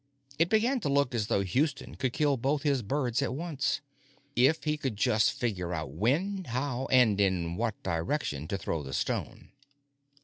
It began to look as though Houston could kill both his birds at once, if he could just figure out when, how, and in what direction to throw the stone.